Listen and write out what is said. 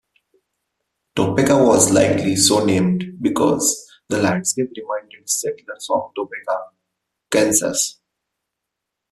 Topeka was likely so named because the landscape reminded settlers of Topeka, Kansas.